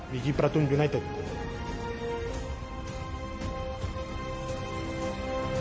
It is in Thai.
มีหิประธุมยูไนเตอร์